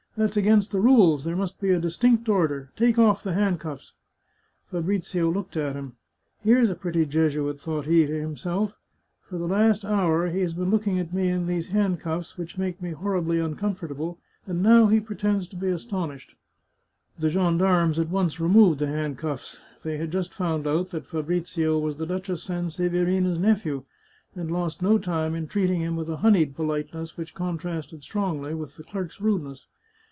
That's against the rules ; there must be a distinct order. Take oflF the handcuffs !" Fabrizio looked at him. " Here's a pretty Jesuit," thought he to himself ;" for the last hour he has been looking at me in these handcuffs, which make me hor 275 The Chartreuse of Parma ribly uncomfortable, and now he pretends to be aston ished." The gendarmes at once removed the handcuffs. They had just found out that Fabrizio was the Duchess Sanse verina's nephew, and lost no time in treating him with a honeyed politeness which contrasted strongly with the clerk's rudeness.